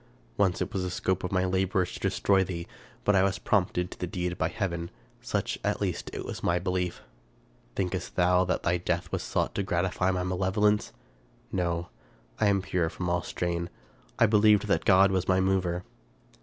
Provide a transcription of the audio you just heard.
Once it was the scope of my labors to destroy thee, but I was prompted to the deed by heaven; such, at least, was my belief. Thinkest thou that thy death was sought to gratify malevolence? No. I am pure from all stain. I believed that my God was my mover